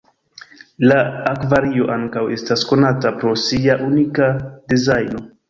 La akvario ankaŭ estas konata pro sia unika dezajno.